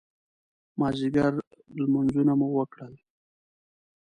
مازدیګر لمونځونه مو وکړل.